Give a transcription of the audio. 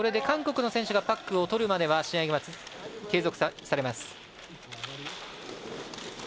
韓国の選手がパックを取るまでは試合は継続されます。